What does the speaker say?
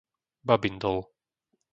Babindol